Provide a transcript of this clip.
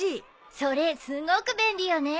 それすごく便利よね。